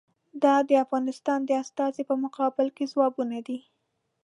دا د افغانستان د استازي په مقابل کې ځوابونه دي.